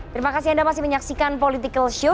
terima kasih anda masih menyaksikan politikalshow